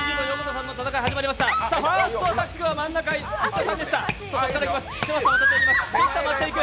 ファーストアタックは石田さんでした。